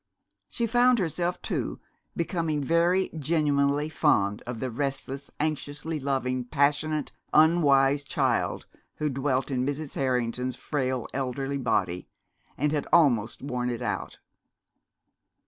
She found herself, too, becoming very genuinely fond of the restless, anxiously loving, passionate, unwise child who dwelt in Mrs. Harrington's frail elderly body and had almost worn it out.